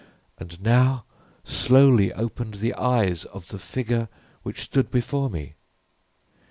_ And now slowly opened the eyes of the figure which stood before me.